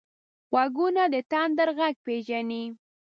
غوږونه د تندر غږ پېژني